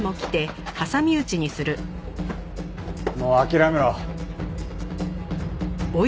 もう諦めろ。